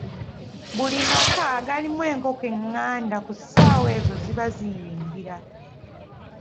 Buli maka agalimu enkoko enganda, ku ssaawa ezo ziba ziyingira.